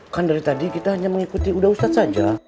kan dari tadi kita hanya mengikuti udah ustadz saja